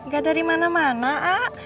gak dari mana mana a